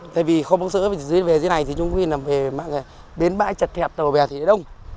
tại vì không bốc rỡ thì về dưới này thì trung viên là về bến bãi chật thẹp tàu bè thì nó đông